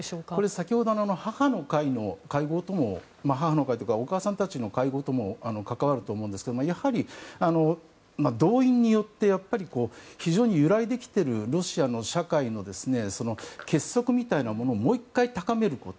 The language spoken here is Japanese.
先ほどのお母さんたちの会の会合とも関わると思いますが動員によってやっぱり非常に揺らいできているロシアの社会の結束みたいなものをもう１回高めること。